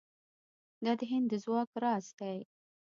دا د هند د ځواک راز دی.